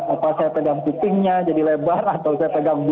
apa saya pegang pipingnya jadi lebar atau saya pegang